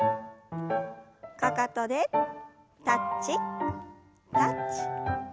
かかとでタッチタッチ。